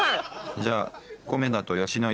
「じゃあ」